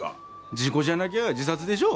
事故じゃなきゃ自殺でしょう。